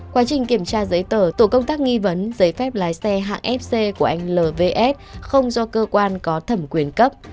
quá trình kiểm tra giấy tờ tổ công tác nghi vấn giấy phép lái xe hạng fc của anh lvs không do cơ quan có thẩm quyền cấp